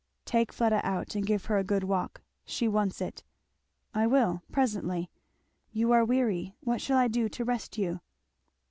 "Take Fleda out and give her a good walk. She wants it." "I will, presently. You are weary what shall I do to rest you?"